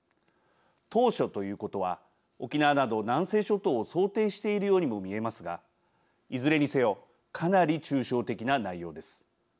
島しょということは沖縄など南西諸島を想定しているようにも見えますがいずれにせよかなり抽象的な内容です。